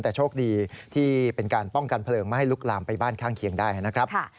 แต่โชคดีที่เป็นการป้องกันเพลิงไม่ให้ลุกลามไปบ้านข้างเคียงได้นะครับ